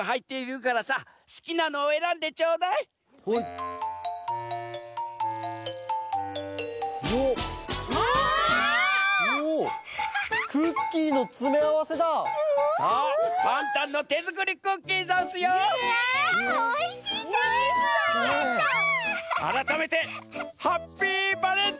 あらためてハッピーバレンタイン！